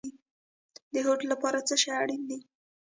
د هوډ لپاره څه شی اړین دی؟